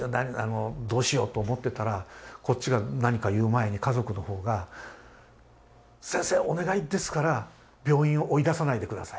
どうしようと思ってたらこっちが何か言う前に家族の方が「先生お願いですから病院を追い出さないで下さい」と。